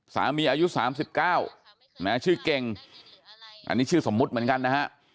อายุ๓๙ชื่อเก่งอันนี้ชื่อสมมุติเหมือนกันนะฮะ